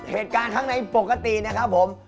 เหตุการณ์ข้างในปกตินะครับผม